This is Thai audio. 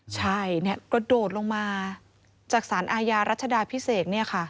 ใช่เนี่ยก็โดดลงมาจากศาลอายารัชดาพิเศษเนี่ยค่ะ